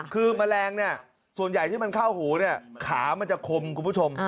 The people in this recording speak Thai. คือแมลงส่วนใหญ่ที่มันเข้าหูขามันจะคมคุณผู้ชม